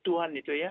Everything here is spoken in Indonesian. tuhan itu ya